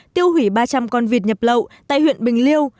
tiêu hủy ba trăm linh con vịt nhập lậu tại huyện bình liêu